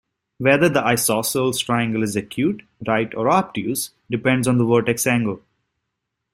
Whether the isosceles triangle is acute, right or obtuse depends on the vertex angle.